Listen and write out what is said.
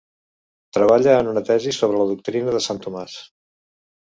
Treballa en una tesi sobre la doctrina de Sant Tomàs.